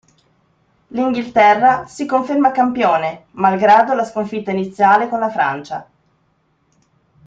L'Inghilterra si conferma campione, malgrado la sconfitta iniziale con la Francia.